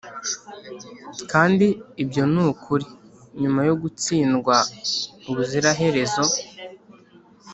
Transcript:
kandi ibyo nukuri nyuma yo gutsindwa ubuziraherezo.